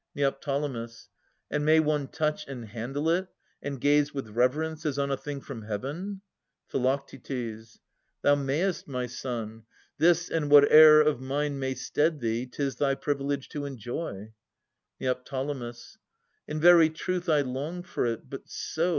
Neo. And may one touch and handle it, and gaze With reverence, as on a thing from Heaven ? Phi. Thou mayest, my son. This and whate'er of mine May stead thee, 'tis thy privilege to enjoy. Neo. In very truth I long for it, but so.